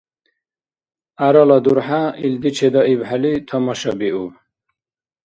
ГӀярала дурхӀя, илди чедаибхӀели, тамашабиуб: